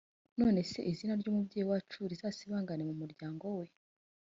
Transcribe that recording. none se izina ry’umubyeyi wacu rizasibangane mu muryango we?